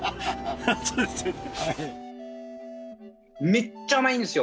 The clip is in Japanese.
めっちゃ甘いんですよ